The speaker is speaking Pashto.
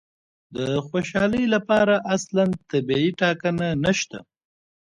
د خوشالي لپاره اصلاً طبیعي ټاکنه نشته.